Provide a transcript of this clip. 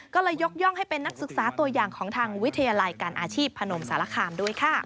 ก็เลยยกย่องให้เป็นนักศึกษาตัวอย่างของทางวิทยาลัยการอาชีพพนมสารคามด้วยค่ะ